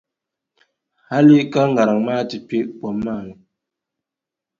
Hali ka ŋariŋ maa ti kpe kom maa ni.